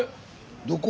どこ？